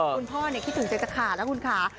คุณพ่อคิดถึงจะจะขาดนะคุณขา